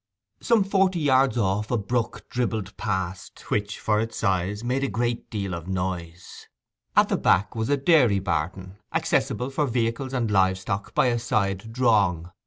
Some forty yards off a brook dribbled past, which, for its size, made a great deal of noise. At the back was a dairy barton, accessible for vehicles and live stock by a side 'drong.